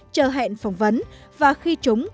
chờ hẹn phỏng vấn và khi chúng